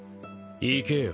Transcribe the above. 行けよ。